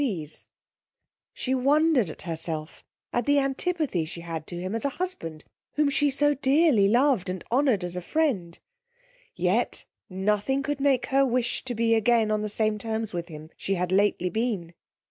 C ge's: she wondered at herself at the antipathy she had to him as a husband, whom she so dearly loved and honoured as a friend; yet nothing could make her wish to be again on the same terms with him she had lately been.